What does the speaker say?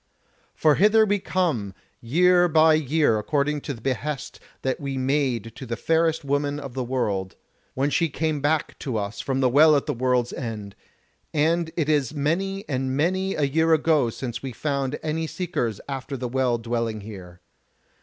For hither we come year by year according to the behest that we made to the fairest woman of the world, when she came back to us from the Well at the World's End, and it is many and many a year ago since we found any seekers after the Well dwelling here.